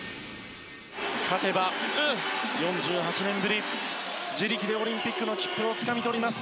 勝てば、４８年ぶり自力でオリンピックをつかみ取ります。